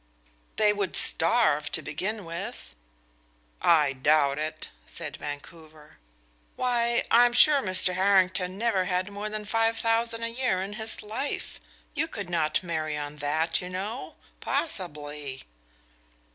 "They would starve, to begin with." "I doubt it," said Vancouver. "Why, I am sure Mr. Harrington never had more than five thousand a year in his life. You could not marry on that, you know possibly."